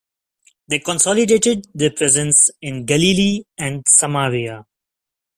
They consolidated their presence in Galilee and Samaria.